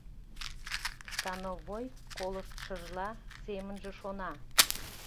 Становой, колыштшыжла, семынже шона.